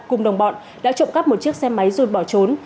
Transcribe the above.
cùng đồng bọn đã trộm cắp một chiếc xe máy rồi bỏ trốn